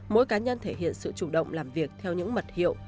mỗi cá nhân thể hiện sự chủ động làm việc theo những mật hiệu